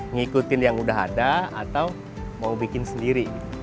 ngikutin yang udah ada atau mau bikin sendiri